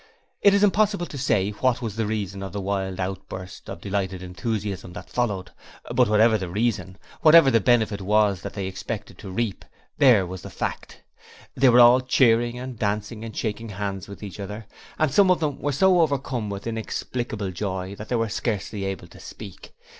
It is impossible to say what was the reason of the wild outburst of delighted enthusiasm that followed, but whatever the reason, whatever the benefit was that they expected to reap there was the fact. They were all cheering and dancing and shaking hands with each other, and some of them were so overcome with inexplicable joy that they were scarcely able to speak.